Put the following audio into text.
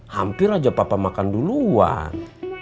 hampir aja papa makan duluan